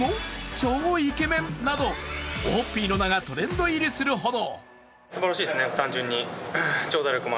超イケメン！などオホッピーの名がトレンド入りするほど。